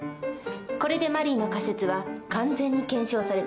これでマリーの仮説は完全に検証されたわね。